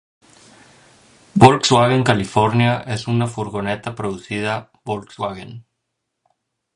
Volkswagen California es una furgoneta producida Volkswagen.